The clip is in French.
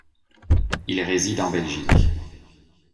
Il réside en Belgique.